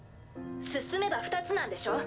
進めば２つなんでしょ？